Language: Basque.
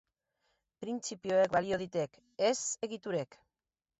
Printzipioek balio ditek, ez egiturek.